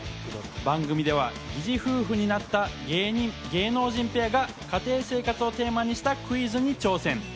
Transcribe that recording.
番組では疑似夫婦になった芸能人ペアが家庭生活をテーマにしたクイズに挑戦。